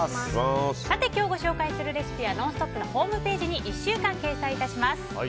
今日ご紹介するレシピは「ノンストップ！」のホームページに１週間、掲載いたします。